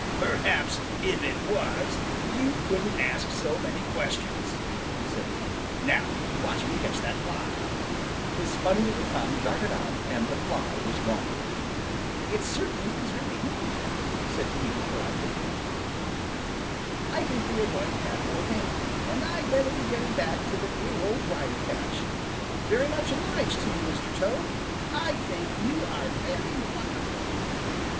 "Perhaps if it was, you couldn't ask so many questions," said he. "Now watch me catch that fly." His funny little tongue darted out, and the fly was gone. [Illustration: His funny little tongue darted out, and the fly was gone.] "It certainly is very handy," said Peter politely. "I think we are going to have more rain, and I'd better be getting back to the dear Old Briarpatch. Very much obliged to you, Mr. Toad. I think you are very wonderful."